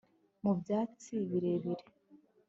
mu byatsi birebire